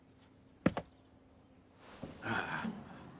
ああ。